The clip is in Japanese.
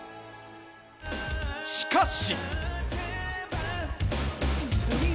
しかし。